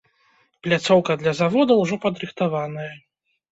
Пляцоўка для завода ўжо падрыхтаваная.